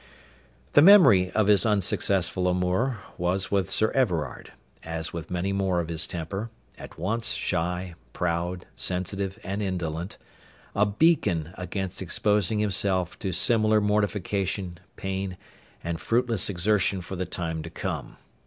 The memory of his unsuccessful amour was with Sir Everard, as with many more of his temper, at once shy, proud, sensitive, and indolent, a beacon against exposing himself to similar mortification, pain, and fruitless exertion for the time to come.